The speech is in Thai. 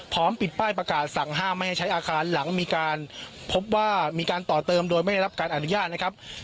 ปิดป้ายประกาศสั่งห้ามไม่ให้ใช้อาคารหลังมีการพบว่ามีการต่อเติมโดยไม่ได้รับการอนุญาตนะครับ